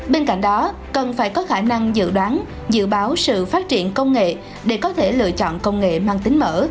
bên cạnh đó cần phải có khả năng dự đoán dự báo sự phát triển công nghệ để có thể lựa chọn công nghệ mang tính mở